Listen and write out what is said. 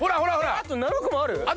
あと７個もある？